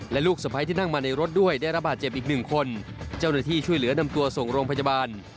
และลูกสะพ้ายที่นั่งมาในรถด้วยได้ระบาดเจ็บอีกหนึ่งคนเจ้าหน้าที่ช่วยเหลือนำตัวส่งโรงพยาบาล